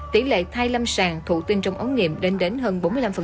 tỷ lệ thai lâm sàng thủ tinh trong ống nghiệm đến đến hơn bốn mươi năm